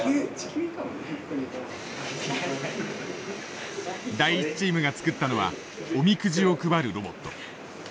第１チームが作ったのはおみくじを配るロボット。